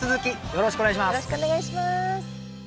よろしくお願いします。